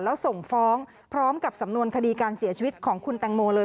แล้วส่งฟ้องพร้อมกับสำนวนคดีการเสียชีวิตของคุณแตงโมเลย